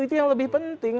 itu yang lebih penting